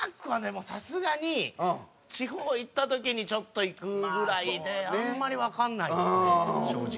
もうさすがに地方行った時にちょっと行くぐらいであんまりわかんないですね正直。